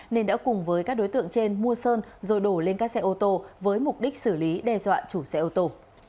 nên đã cùng với các đối tượng trên mua sơn rồi đổ lên các xe ô tô với mục đích xử lý đe dọa chủ xe ô tô